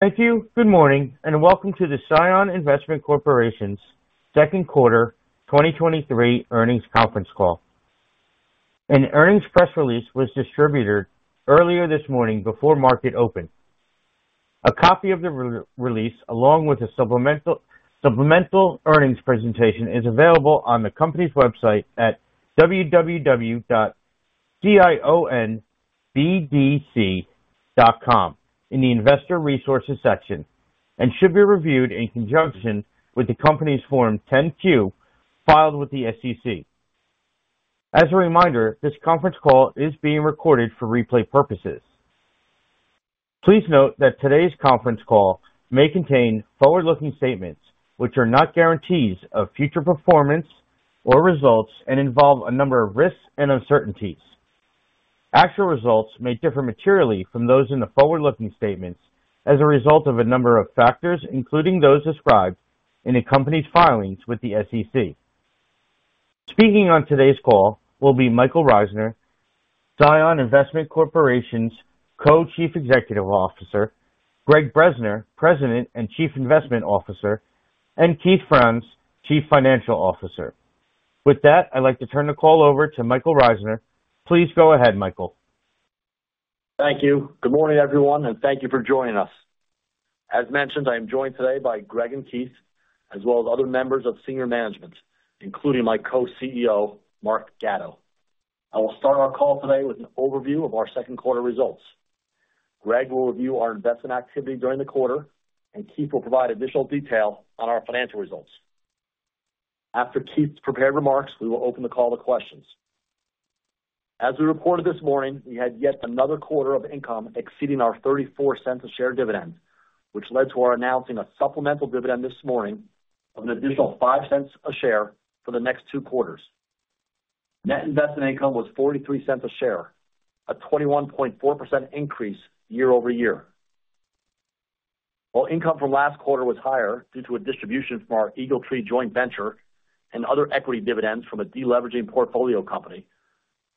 Thank you. Good morning, and welcome to the CION Investment Corporation's Second Quarter 2023 Earnings Conference Call. An earnings press release was distributed earlier this morning before market open. A copy of the release, along with a supplemental earnings presentation, is available on the company's website at www.cionbdc.com, in the Investor Resources section, and should be reviewed in conjunction with the company's Form 10-Q filed with the SEC. As a reminder, this conference call is being recorded for replay purposes. Please note that today's conference call may contain forward-looking statements, which are not guarantees of future performance or results, and involve a number of risks and uncertainties. Actual results may differ materially from those in the forward-looking statements as a result of a number of factors, including those described in the company's filings with the SEC. Speaking on today's call will be Michael Reisner, CION Investment Corporation's Co-Chief Executive Officer, Gregg Bresner, President and Chief Investment Officer, and Keith Franz, Chief Financial Officer. With that, I'd like to turn the call over to Michael Reisner. Please go ahead, Michael. Thank you. Good morning, everyone, and thank you for joining us. As mentioned, I am joined today by Gregg and Keith, as well as other members of senior management, including my Co-CEO, Mark Gatto. I will start our call today with an overview of our second quarter results. Gregg will review our investment activity during the quarter, and Keith will provide additional detail on our financial results. After Keith's prepared remarks, we will open the call to questions. As we reported this morning, we had yet another quarter of income exceeding our $0.34 a share dividend, which led to our announcing a supplemental dividend this morning of an additional $0.05 a share for the next two quarters. Net investment income was $0.43 a share, a 21.4% increase year-over-year. While income from last quarter was higher due to a distribution from our EagleTree joint venture and other equity dividends from a deleveraging portfolio company,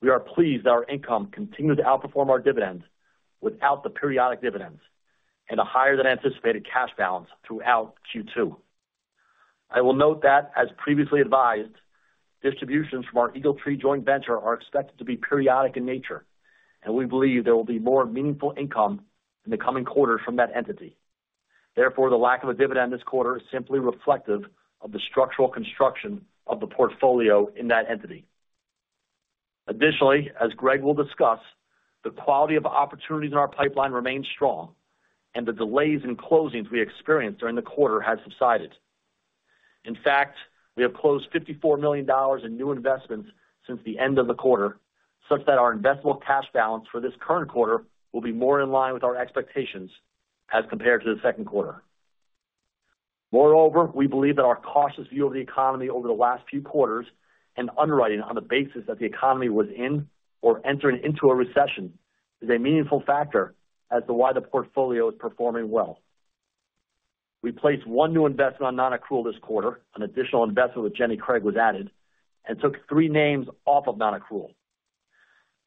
we are pleased that our income continued to outperform our dividends without the periodic dividends and a higher than anticipated cash balance throughout Q2. I will note that, as previously advised, distributions from our EagleTree joint venture are expected to be periodic in nature, and we believe there will be more meaningful income in the coming quarters from that entity. Therefore, the lack of a dividend this quarter is simply reflective of the structural construction of the portfolio in that entity. Additionally, as Gregg will discuss, the quality of opportunities in our pipeline remains strong, and the delays in closings we experienced during the quarter have subsided. In fact, we have closed $54 million in new investments since the end of the quarter, such that our investable cash balance for this current quarter will be more in line with our expectations as compared to the second quarter. Moreover, we believe that our cautious view of the economy over the last few quarters and underwriting on the basis that the economy was in or entering into a recession, is a meaningful factor as to why the portfolio is performing well. We placed one new investment on nonaccrual this quarter. An additional investment with Jenny Craig was added and took three names off of nonaccrual.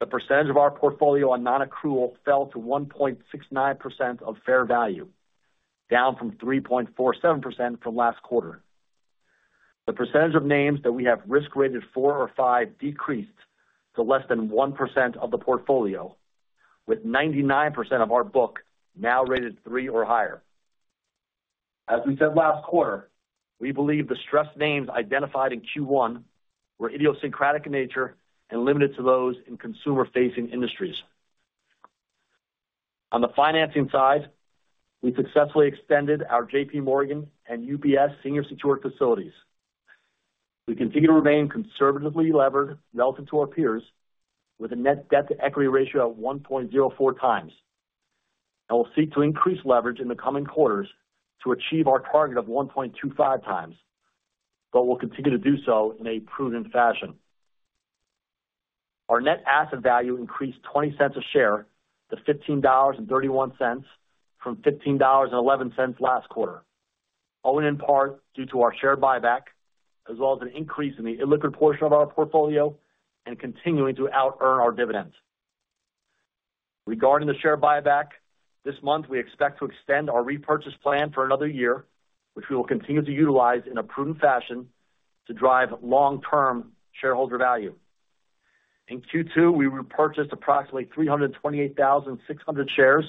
The percentage of our portfolio on nonaccrual fell to 1.69% of fair value, down from 3.47% from last quarter. The percentage of names that we have risk rated 4 or 5 decreased to less than 1% of the portfolio, with 99% of our book now rated 3 or higher. As we said last quarter, we believe the stressed names identified in Q1 were idiosyncratic in nature and limited to those in consumer-facing industries. On the financing side, we successfully extended our J.P. Morgan and UBS senior secured facilities. We continue to remain conservatively levered relative to our peers, with a net debt-to-equity ratio of 1.04x. We'll seek to increase leverage in the coming quarters to achieve our target of 1.25x, but we'll continue to do so in a prudent fashion. Our net asset value increased $0.20 a share to $15.31 from $15.11 last quarter, owing in part due to our share buyback, as well as an increase in the illiquid portion of our portfolio and continuing to outearn our dividends. Regarding the share buyback, this month, we expect to extend our repurchase plan for another year, which we will continue to utilize in a prudent fashion to drive long-term shareholder value. In Q2, we repurchased approximately 328,600 shares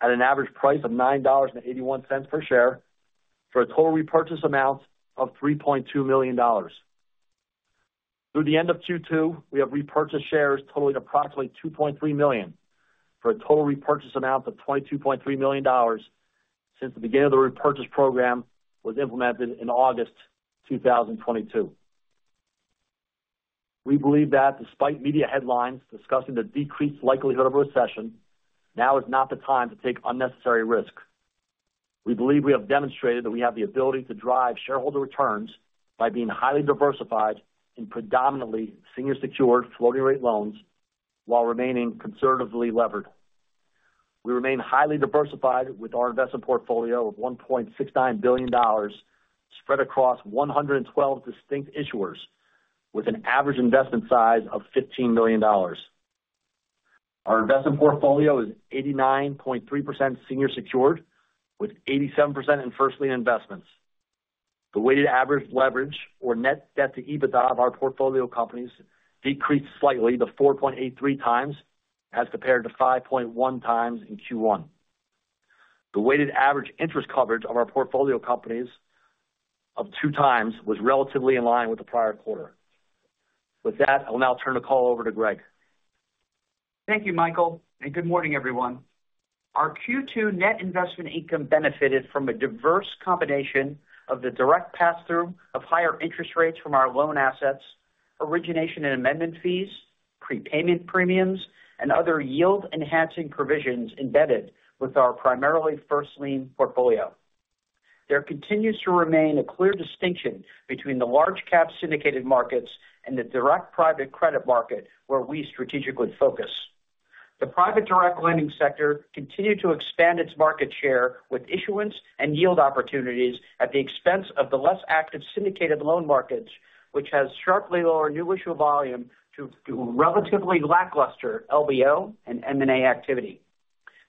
at an average price of $9.81 per share, for a total repurchase amount of $3.2 million. Through the end of Q2, we have repurchased shares totaling approximately $2.3 million, for a total repurchase amount of $22.3 million since the beginning of the repurchase program was implemented in August 2022. We believe that despite media headlines discussing the decreased likelihood of a recession, now is not the time to take unnecessary risks. We believe we have demonstrated that we have the ability to drive shareholder returns by being highly diversified in predominantly senior secured floating rate loans while remaining conservatively levered. We remain highly diversified with our investment portfolio of $1.69 billion, spread across 112 distinct issuers with an average investment size of $15 million. Our investment portfolio is 89.3% senior secured, with 87% in first lien investments. The weighted average leverage or net debt to EBITDA of our portfolio companies decreased slightly to 4.83x, as compared to 5.1x in Q1. The weighted average interest coverage of our portfolio companies of 2 times was relatively in line with the prior quarter. With that, I'll now turn the call over to Gregg. Thank you, Michael, and good morning, everyone. Our Q2 net investment income benefited from a diverse combination of the direct pass-through of higher interest rates from our loan assets, origination and amendment fees, prepayment premiums, and other yield-enhancing provisions embedded with our primarily first lien portfolio. There continues to remain a clear distinction between the large cap syndicated markets and the direct private credit market where we strategically focus. The private direct lending sector continued to expand its market share with issuance and yield opportunities at the expense of the less active syndicated loan markets, which has sharply lower new issue volume to relatively lackluster LBO and M&A activity.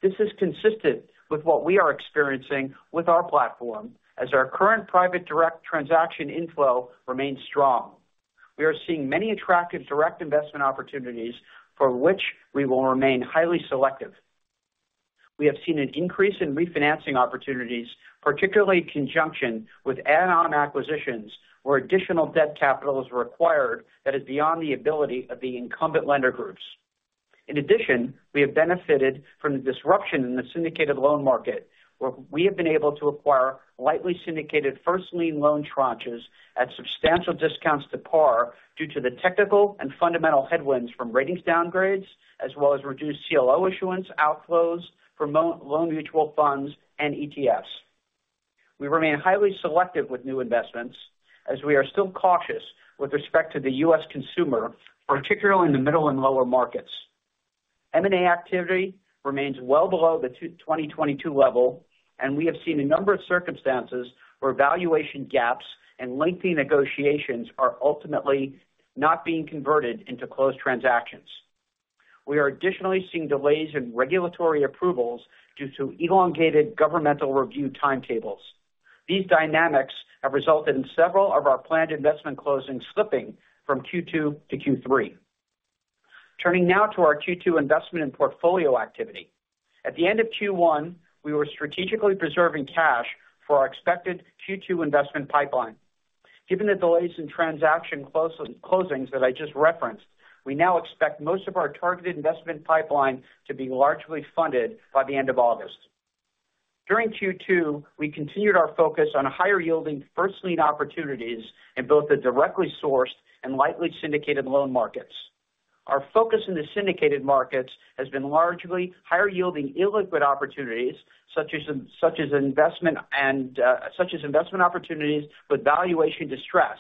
This is consistent with what we are experiencing with our platform, as our current private direct transaction inflow remains strong. We are seeing many attractive direct investment opportunities for which we will remain highly selective. We have seen an increase in refinancing opportunities, particularly in conjunction with add-on acquisitions, where additional debt capital is required that is beyond the ability of the incumbent lender groups. We have benefited from the disruption in the syndicated loan market, where we have been able to acquire lightly syndicated first lien loan tranches at substantial discounts to par due to the technical and fundamental headwinds from ratings downgrades, as well as reduced CLO issuance outflows for loan mutual funds and ETFs. We remain highly selective with new investments as we are still cautious with respect to the U.S. consumer, particularly in the middle and lower markets. M&A activity remains well below the 2022 level. We have seen a number of circumstances where valuation gaps and lengthy negotiations are ultimately not being converted into closed transactions. We are additionally seeing delays in regulatory approvals due to elongated governmental review timetables. These dynamics have resulted in several of our planned investment closings slipping from Q2 to Q3. Turning now to our Q2 investment and portfolio activity. At the end of Q1, we were strategically preserving cash for our expected Q2 investment pipeline. Given the delays in transaction closings that I just referenced, we now expect most of our targeted investment pipeline to be largely funded by the end of August. During Q2, we continued our focus on higher yielding first lien opportunities in both the directly sourced and lightly syndicated loan markets. Our focus in the syndicated markets has been largely higher yielding illiquid opportunities, such as investment and such as investment opportunities with valuation distress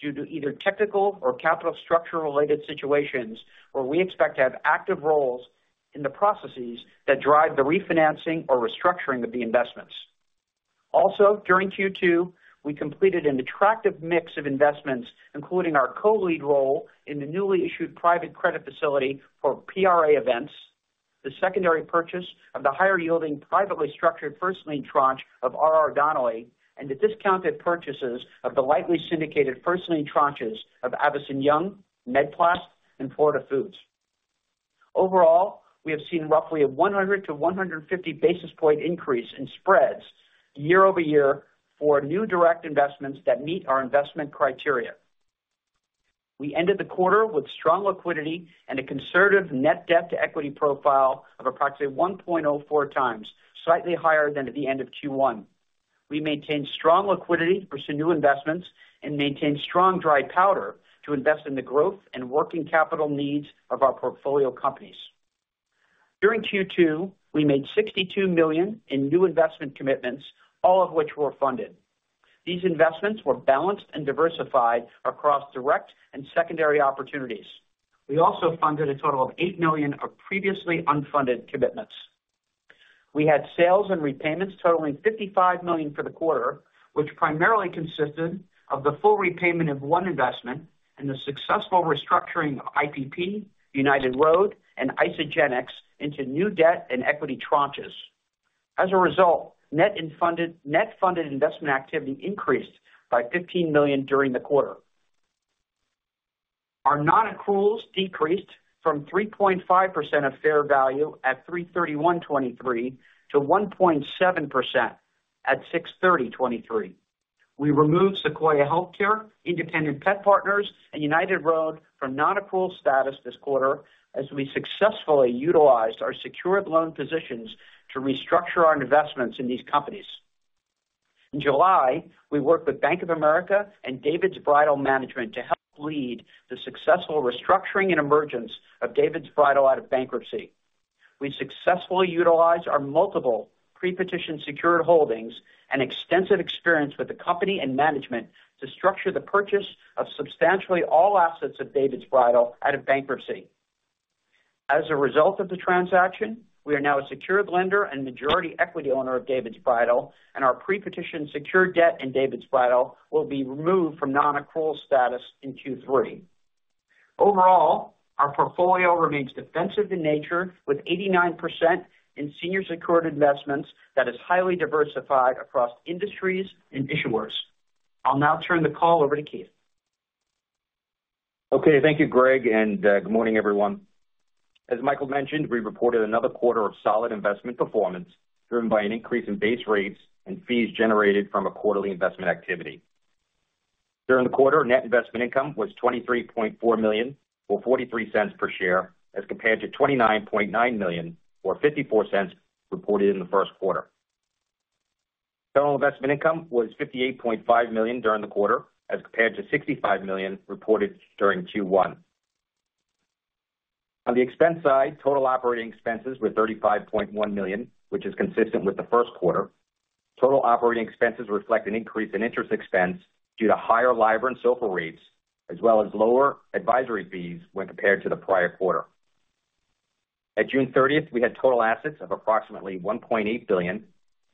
due to either technical or capital structure related situations, where we expect to have active roles in the processes that drive the refinancing or restructuring of the investments. Also, during Q2, we completed an attractive mix of investments, including our co-lead role in the newly issued private credit facility for PRA Events, the secondary purchase of the higher yielding, privately structured first lien tranche of RR Donnelley, and the discounted purchases of the lightly syndicated first lien tranches of Avison Young, MedPlast, and Florida Foods. Overall, we have seen roughly a 100-150 basis point increase in spreads year-over-year for new direct investments that meet our investment criteria. We ended the quarter with strong liquidity and a conservative net debt-to-equity profile of approximately 1.04 times, slightly higher than at the end of Q1. We maintained strong liquidity for some new investments and maintained strong dry powder to invest in the growth and working capital needs of our portfolio companies. During Q2, we made $62 million in new investment commitments, all of which were funded. These investments were balanced and diversified across direct and secondary opportunities. We also funded a total of $8 million of previously unfunded commitments. We had sales and repayments totaling $55 million for the quarter, which primarily consisted of the full repayment of one investment and the successful restructuring of IPP, United Road, and Isagenix into new debt and equity tranches. As a result, net funded investment activity increased by $15 million during the quarter. Our nonaccruals decreased from 3.5% of fair value at 03/31/2023 to 1.7% at 06/30/2023. We removed Sequoia Healthcare, Independent Pet Partners, and United Road from nonaccrual status this quarter, as we successfully utilized our secured loan positions to restructure our investments in these companies. In July, we worked with Bank of America and David's Bridal Management to help lead the successful restructuring and emergence of David's Bridal out of bankruptcy. We successfully utilized our multiple pre-petition secured holdings and extensive experience with the company and management to structure the purchase of substantially all assets of David's Bridal out of bankruptcy. As a result of the transaction, we are now a secured lender and majority equity owner of David's Bridal. Our pre-petition secured debt in David's Bridal will be removed from nonaccrual status in Q3.Overall, our portfolio remains defensive in nature, with 89% in senior secured investments that is highly diversified across industries and issuers. I'll now turn the call over to Keith. Okay. Thank you, Gregg, good morning, everyone. As Michael mentioned, we reported another quarter of solid investment performance, driven by an increase in base rates and fees generated from a quarterly investment activity. During the quarter, net investment income was $23.4 million, or $0.43 per share, as compared to $29.9 million or $0.54 reported in the first quarter. Total investment income was $58.5 million during the quarter, as compared to $65 million reported during Q1. On the expense side, total operating expenses were $35.1 million, which is consistent with the first quarter. Total operating expenses reflect an increase in interest expense due to higher LIBOR and SOFR rates, as well as lower advisory fees when compared to the prior quarter. At June 30th, we had total assets of approximately $1.8 billion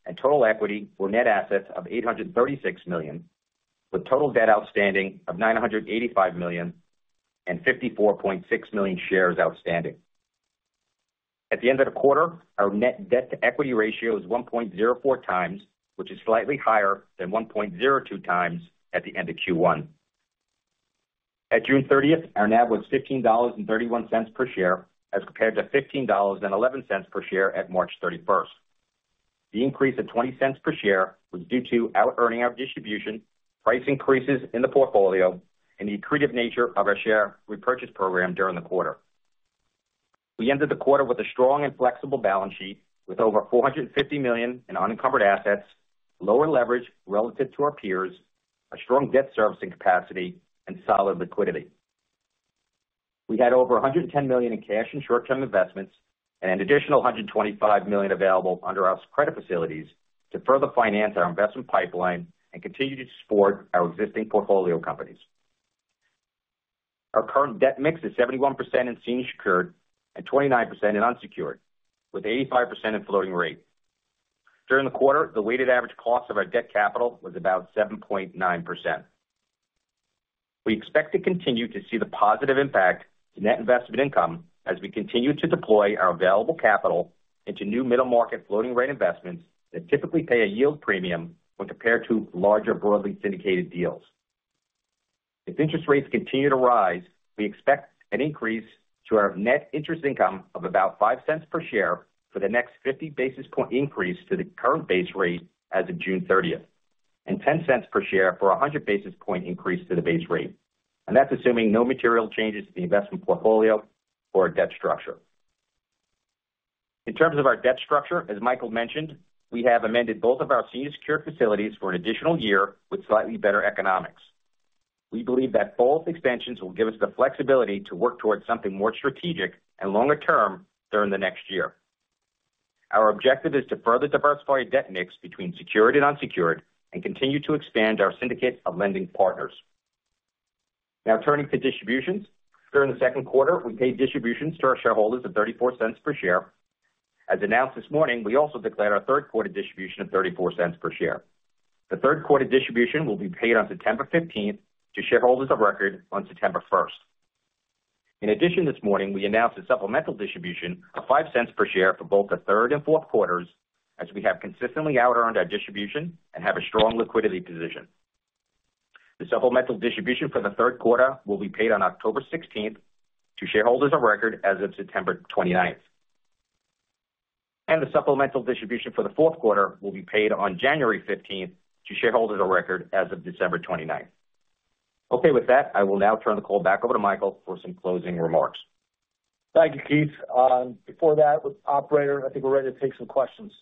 and total equity or net assets of $836 million, with total debt outstanding of $985 million and 54.6 million shares outstanding. At the end of the quarter, our net debt-to-equity ratio is 1.04x, which is slightly higher than 1.02x at the end of Q1. At June 30th, our NAV was $15.31 per share, as compared to $15.11 per share at March 31st. The increase of $0.20 per share was due to outearning our distribution, price increases in the portfolio, and the accretive nature of our share repurchase program during the quarter. We ended the quarter with a strong and flexible balance sheet, with over $450 million in unencumbered assets, lower leverage relative to our peers, a strong debt servicing capacity, and solid liquidity. We had over $110 million in cash and short-term investments and an additional $125 million available under our credit facilities to further finance our investment pipeline and continue to support our existing portfolio companies. Our current debt mix is 71% in senior secured and 29% in unsecured, with 85% in floating rate. During the quarter, the weighted average cost of our debt capital was about 7.9%. We expect to continue to see the positive impact to net investment income as we continue to deploy our available capital into new middle-market floating rate investments that typically pay a yield premium when compared to larger, broadly syndicated deals. If interest rates continue to rise, we expect an increase to our net interest income of about $0.05 per share for the next 50 basis point increase to the current base rate as of June 30th, and $0.10 per share for a 100 basis point increase to the base rate. That's assuming no material changes to the investment portfolio or our debt structure. In terms of our debt structure, as Michael mentioned, we have amended both of our senior secured facilities for an additional year with slightly better economics. We believe that both extensions will give us the flexibility to work towards something more strategic and longer term during the next year. Our objective is to further diversify our debt mix between secured and unsecured and continue to expand our syndicate of lending partners. Now turning to distributions. During the second quarter, we paid distributions to our shareholders of $0.34 per share. As announced this morning, we also declared our third quarter distribution of $0.34 per share. The third quarter distribution will be paid on September 15th to shareholders of record on September 1st. In addition, this morning, we announced a supplemental distribution of $0.05 per share for both the third and fourth quarters, as we have consistently outearned our distribution and have a strong liquidity position. The supplemental distribution for the third quarter will be paid on October 16th to shareholders of record as of September 29th. The supplemental distribution for the fourth quarter will be paid on January 15th to shareholders of record as of December 29th. Okay, with that, I will now turn the call back over to Michael for some closing remarks. Thank you, Keith. Before that, operator, I think we're ready to take some questions.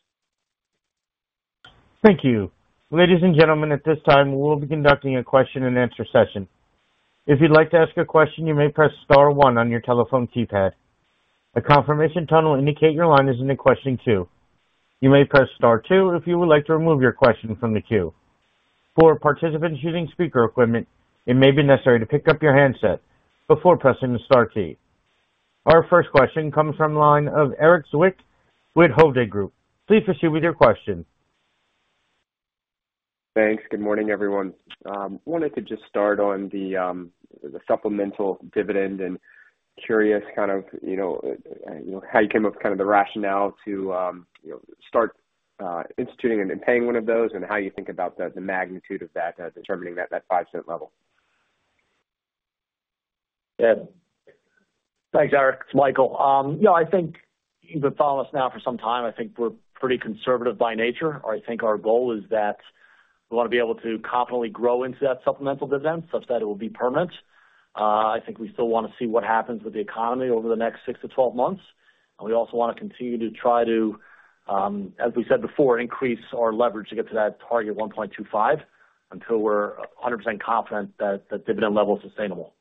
Thank you. Ladies and gentlemen, at this time, we will be conducting a question-and-answer session. If you'd like to ask a question, you may press star one on your telephone keypad. A confirmation tone will indicate your line is in the question queue. You may press star two if you would like to remove your question from the queue. For participants using speaker equipment, it may be necessary to pick up your handset before pressing the star key. Our first question comes from the line of Erik Zwick with Hovde Group. Please proceed with your question. Thanks. Good morning, everyone. Curious kind of, you know, you know, how you came up, kind of the rationale to, you know, start instituting and paying one of those, and how you think about the magnitude of that, determining that, that $0.05 level? Yeah. Thanks, Erik. It's Michael. You know, I think you've been following us now for some time. I think we're pretty conservative by nature. I think our goal is that we want to be able to confidently grow into that supplemental dividend such that it will be permanent. I think we still want to see what happens with the economy over the next 6 to 12 months. We also want to continue to try to, as we said before, increase our leverage to get to that target of 1.25, until we're 100% confident that the dividend level is sustainable.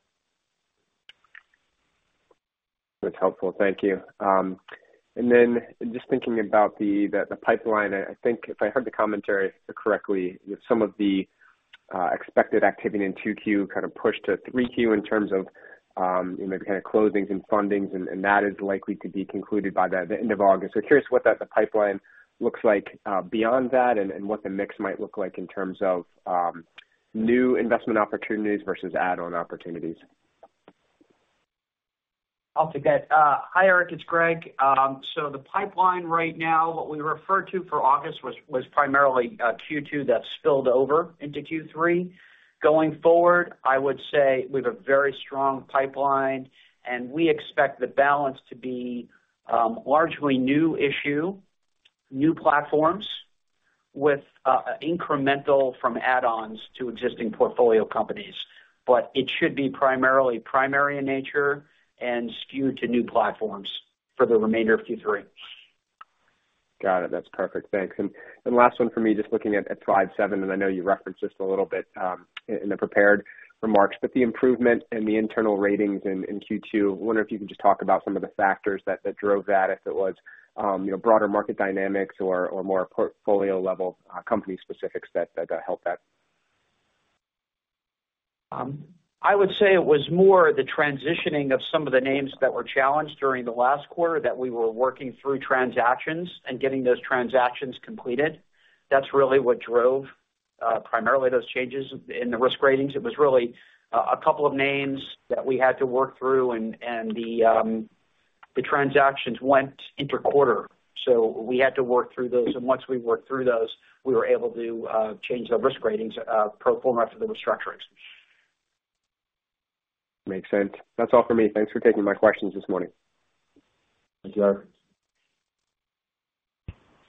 That's helpful. Thank you. And then just thinking about the, the, the pipeline, I, I think if I heard the commentary correctly, some of the expected activity in 2Q kind of pushed to 3Q in terms of, you know, kind of closings and fundings, and, and that is likely to be concluded by the, the end of August. Curious what that, the pipeline looks like beyond that and, and what the mix might look like in terms of new investment opportunities versus add-on opportunities. ... I'll take that. Hi, Erik, it's Gregg. So the pipeline right now, what we referred to for August was, was primarily Q2 that spilled over into Q3. Going forward, I would say we have a very strong pipeline, and we expect the balance to be largely new issue, new platforms with incremental from add-ons to existing portfolio companies. It should be primarily primary in nature and skewed to new platforms for the remainder of Q3. Got it. That's perfect. Thanks. Last one for me, just looking at 5.7, and I know you referenced this a little bit in the prepared remarks, but the improvement in the internal ratings in Q2, I wonder if you can just talk about some of the factors that drove that, if it was, you know, broader market dynamics or more portfolio-level company specifics that helped that? I would say it was more the transitioning of some of the names that were challenged during the last quarter, that we were working through transactions and getting those transactions completed. That's really what drove primarily those changes in the risk ratings. It was really a couple of names that we had to work through, and the transactions went inter-quarter, so we had to work through those. Once we worked through those, we were able to change the risk ratings pro forma for the restructurings. Makes sense. That's all for me. Thanks for taking my questions this morning. Thank you, Erik.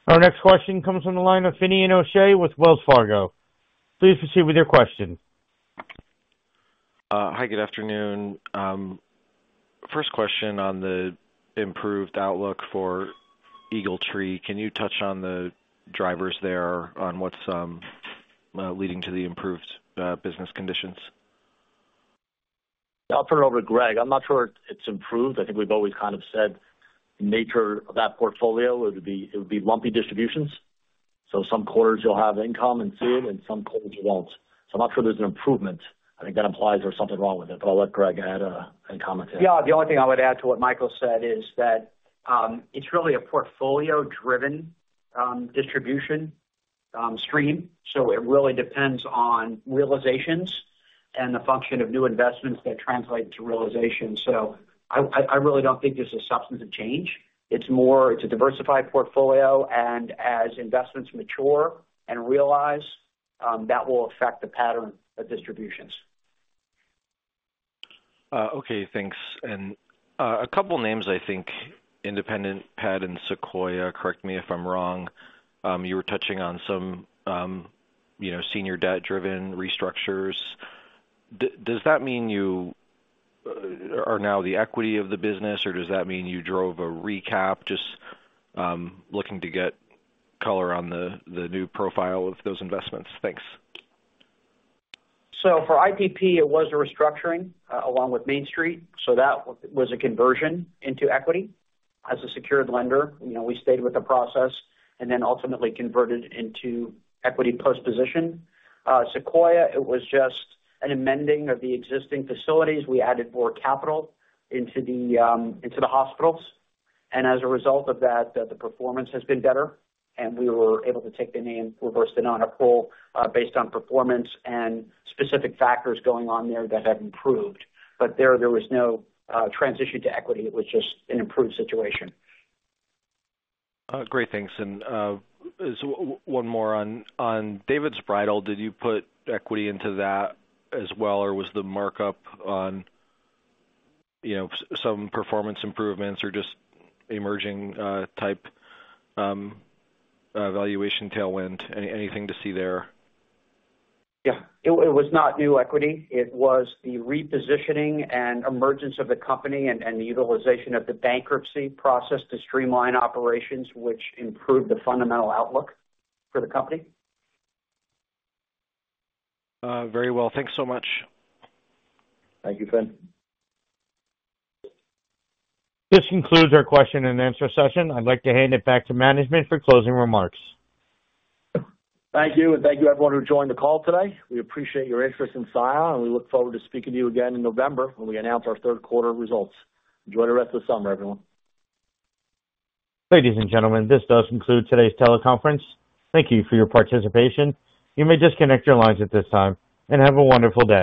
Our next question comes from the line of Finian O'Shea with Wells Fargo. Please proceed with your question. Hi, good afternoon. First question on the improved outlook for EagleTree. Can you touch on the drivers there on what's leading to the improved business conditions? I'll turn it over to Greg. I'm not sure it, it's improved. I think we've always kind of said the nature of that portfolio would be, it would be lumpy distributions. Some quarters you'll have income and see it, and some quarters you won't. I'm not sure there's an improvement. I think that implies there's something wrong with it, but I'll let Greg add and comment there. Yeah. The only thing I would add to what Michael said is that, it's really a portfolio-driven, distribution, stream. It really depends on realizations and the function of new investments that translate to realization. I, I, I really don't think there's a substantive change. It's more. It's a diversified portfolio, and as investments mature and realize, that will affect the pattern of distributions. Okay, thanks. A couple names, I think, Independent Pet and Sequoia, correct me if I'm wrong. You were touching on some, you know, senior debt-driven restructures. Does that mean you are now the equity of the business, or does that mean you drove a recap? Just looking to get color on the new profile of those investments. Thanks. For IPP, it was a restructuring, along with Main Street, so that was a conversion into equity. As a secured lender, you know, we stayed with the process and then ultimately converted into equity post position. Sequoia, it was just an amending of the existing facilities. We added more capital into the, into the hospitals, and as a result of that, the, the performance has been better, and we were able to take the name, reverse it on accrual, based on performance and specific factors going on there that have improved. There, there was no transition to equity. It was just an improved situation. Great. Thanks. One more on, on David's Bridal, did you put equity into that as well, or was the markup on, you know, some performance improvements or just emerging type valuation tailwind? Anything to see there? Yeah. It was not new equity. It was the repositioning and emergence of the company and the utilization of the bankruptcy process to streamline operations, which improved the fundamental outlook for the company. Very well. Thanks so much. Thank you, Fin. This concludes our question and answer session. I'd like to hand it back to management for closing remarks. Thank you, and thank you, everyone, who joined the call today. We appreciate your interest in CION, and we look forward to speaking to you again in November, when we announce our third quarter results. Enjoy the rest of the summer, everyone. Ladies and gentlemen, this does conclude today's teleconference. Thank you for your participation. You may disconnect your lines at this time, and have a wonderful day.